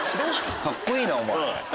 カッコいいなおまえ。